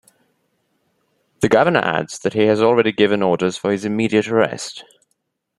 The governor adds that he has already given orders for his immediate arrest.